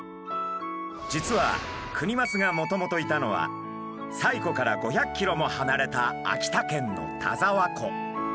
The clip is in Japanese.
実はクニマスがもともといたのは西湖から５００ｋｍもはなれた秋田県の田沢湖。